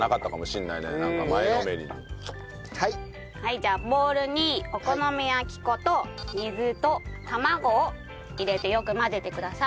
じゃあボウルにお好み焼き粉と水と卵を入れてよく混ぜてください。